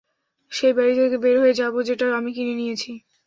সেই বাড়ি থেকে বের হয়ে যাবো যেটা আমি কিনে দিয়েছি?